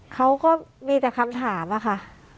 เขาก็มีแต่คำถามอะค่ะ